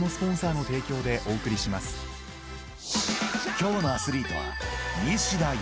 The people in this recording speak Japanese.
［今日のアスリートは］